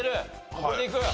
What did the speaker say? ここでいく？